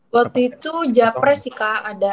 waktu itu japres ika ada